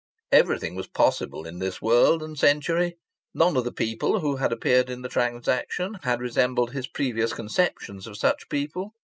Everything was possible in this world and century! None of the people who had appeared in the transaction had resembled his previous conceptions of such people!